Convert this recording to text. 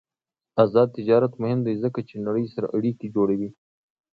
آزاد تجارت مهم دی ځکه چې نړۍ سره اړیکې جوړوي.